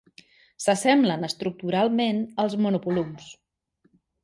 S'assemblen estructuralment als monovolums.